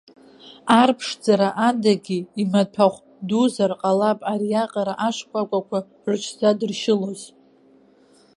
Арԥшӡара адагьы, имаҭәахә дузар ҟалап ариаҟара ашкәакәақәа рыҽзадыршьылоз.